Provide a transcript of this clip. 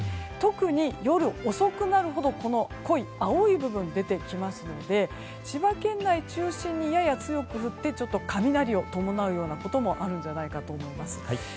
特に夜遅くなるほど濃い青い部分が出てきますので千葉県内中心にやや強く降って雷を伴うこともあるんじゃないかと思います。